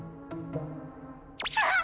あっ！